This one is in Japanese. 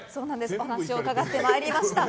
お話を伺ってまいりました。